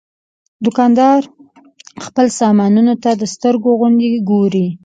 دوکاندار خپلو سامانونو ته د سترګو غوندې ګوري.